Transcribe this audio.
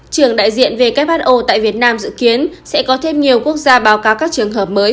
trưởng đại diện who tại việt nam dự kiến sẽ có thêm nhiều quốc gia báo cáo các trường hợp mới